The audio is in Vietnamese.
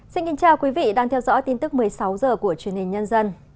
xin kính chào quý vị đang theo dõi tin tức một mươi sáu h của truyền hình nhân dân